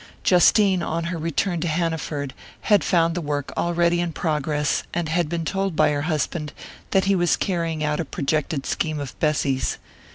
Justine, on her return to Hanaford, had found the work already in progress, and had been told by her husband that he was carrying out a projected scheme of Bessy's.